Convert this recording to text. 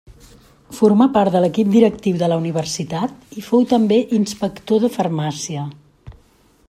Formà part de l'equip directiu de la universitat i fou també inspector de farmàcia.